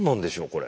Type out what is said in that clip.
これ。